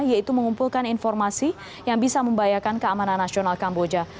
yaitu mengumpulkan informasi yang bisa membahayakan keamanan nasional kamboja